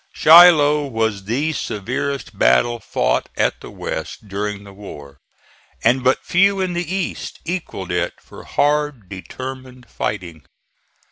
Shiloh was the severest battle fought at the West during the war, and but few in the East equalled it for hard, determined fighting.